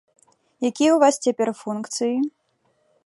Якія ў вас цяпер функцыі?